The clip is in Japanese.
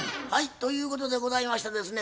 ということでございましてですね